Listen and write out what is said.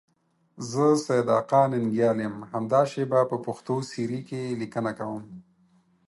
زه سیدآقا ننگیال یم، همدا شیبه په پښتو سیرې کې لیکنه کوم.